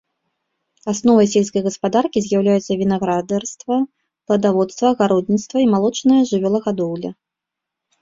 Асновай сельскай гаспадаркі з'яўляюцца вінаградарства, пладаводства, агародніцтва і малочная жывёлагадоўля.